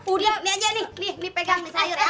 udah nih aja nih nih pegang nih sayur ya